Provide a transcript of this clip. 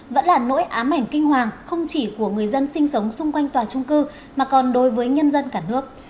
vẫn là nỗi ám ảnh kinh hoàng không chỉ của người dân sinh sống xung quanh tòa trung cư mà còn đối với nhân dân cả nước